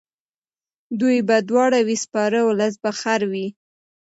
دوی به دواړه وي سپاره اولس به خر وي.